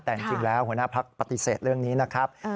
แต่จริงแล้วหัวหน้าพักปฏิเสธเรื่องนี้นะครับ